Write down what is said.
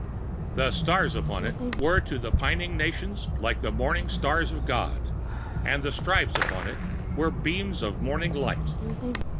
The stars upon it were to the pining nations like the morning stars of God, and the stripes upon it were beams of morning light.